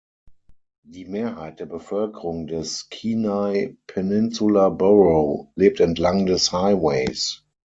Die Mehrheit der Bevölkerung des Kenai Peninsula Borough lebt entlang des Highways.